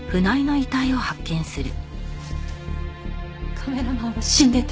カメラマンは死んでた。